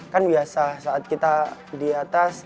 kan biasa saat kita di atas